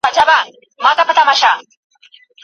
پر ځان باور د ستونزو پر وړاندې مقاومت راولي.